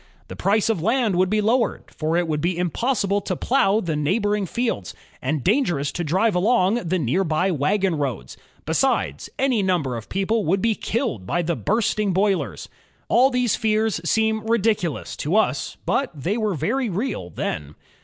The price of land would be lowered, for it would be impossible to plow the neigh boring fields, and dangerous to drive along the near by wagon roads. Besides, any number of people would be killed by the bursting boilers. All these fears seem ridicu lous to us, but they were very real then.